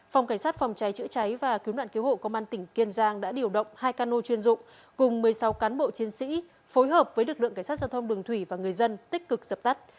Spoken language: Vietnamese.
phòng cảnh sát phòng cháy chữa cháy và cứu nạn cứu hộ công an tỉnh kiên giang đã điều động hai cano chuyên dụng cùng một mươi sáu cán bộ chiến sĩ phối hợp với lực lượng cảnh sát giao thông đường thủy và người dân tích cực dập tắt